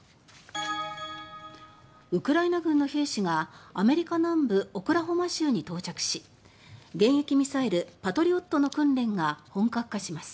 ウクライナ軍の兵士がアメリカ南部オクラホマ州に到着し迎撃ミサイル「パトリオット」の訓練が本格化します。